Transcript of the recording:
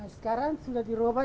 sekarang sudah diubah